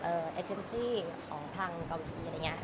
เอเจนซี่ของทางเกาวิทยาลัย